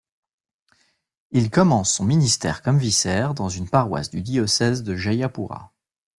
Il commence son ministère comme vicaire dans une paroisse du diocèse de Jayapura.